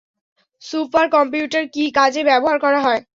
Super computer কী কাজে ব্যবহার করা হয়?